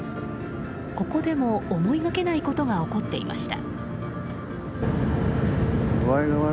ここでも思いがけないことが起こっていました。